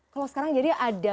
kalau sekarang jadi ada